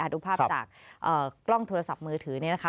ดูภาพจากกล้องโทรศัพท์มือถือนี่นะคะ